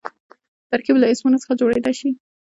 ترکیب له اسمونو څخه جوړېدای سي.